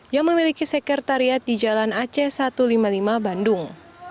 yang memiliki sekretariat di jalan aceh satu ratus lima puluh lima bandung